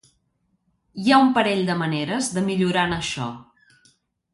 Hi ha un parell de maneres de millorar en això.